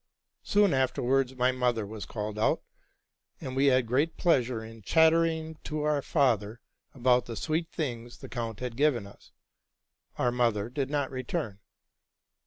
Soon afterwards my mother was called out, and we had great pleasure in chattering to our father about the sweet things the count had given us. Our mother did not return.